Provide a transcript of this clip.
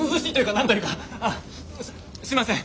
すみません！